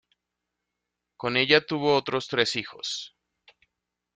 Con ella tuvo otros tres hijos.